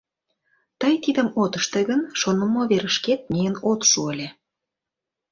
— Тый тидым от ыште гын, шонымо верышкет миен от шу ыле.